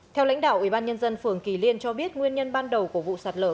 theo lãnh đạo ủy ban nhân dân phường kỳ liên cho biết nguyên nhân ban đầu của vụ sạt lở